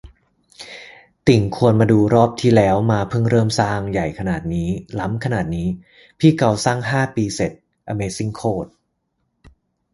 ติ่ง ควรมาดูรอบที่แล้วมาเพิ่งเริ่มสร้าง ใหญ่ขนาดนี้ ล้ำขนาดนี้ พี่เกาสร้างห้าปีเสร็จ อะเมซิ่งโคตร